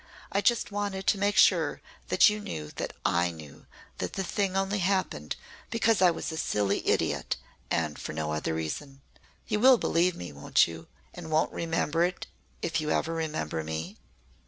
I just wanted to make sure that you knew that I knew that the thing only happened because I was a silly idiot and for no other reason. You will believe me, won't you, and won't remember it if you ever remember me?"